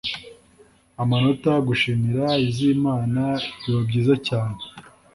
amanota, gushimira, iz'imana – bibabyiza cyane